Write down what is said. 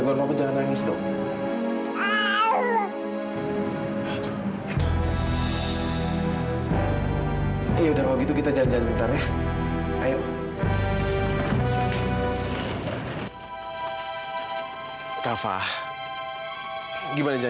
kamilah sudah melihat semuanya